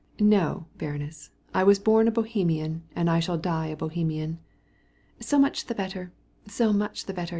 "No, baroness. I was born a Bohemian, and a Bohemian I shall die." "So much the better, so much the better.